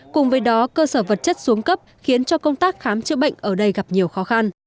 cùng với đó cơ sở vật chất xuống cấp khiến cho công tác khám chữa bệnh ở đây gặp nhiều khó khăn